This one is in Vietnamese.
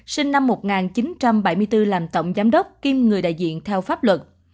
sinh năm một nghìn chín trăm bảy mươi bốn làm tổng giám đốc kiêm người đại diện theo pháp luật